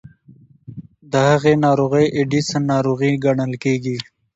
د هغې ناروغۍ اډیسن ناروغي ګڼل کېږي.